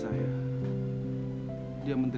tuhan capek banget